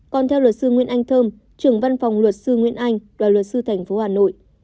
còn theo luật sư nguyên anh thơm trưởng văn phòng luật sư nguyên anh và luật sư tp hà nội